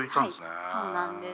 はいそうなんです。